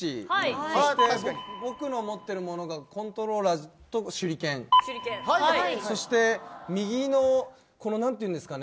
そして、僕の持っているものがコントローラと手裏剣そして右のなんて言うんですかね